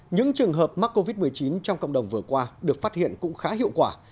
những trường hợp mắc covid một mươi chín trong cộng đồng vừa qua được phát hiện cũng khá hiệu quả